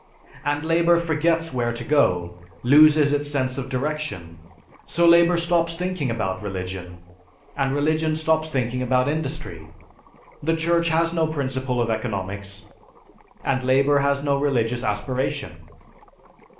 And labor forgets where to go, loses its sense of direction. So labor stops thinking about religion, and religion stops thinking about industry. The Church has no principle of economics, and labor has no religious aspiration."